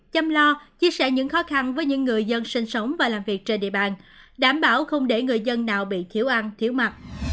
chăm lo chia sẻ những khó khăn với những người dân sinh sống và làm việc trên địa bàn đảm bảo không để người dân nào bị thiếu ăn thiếu mặt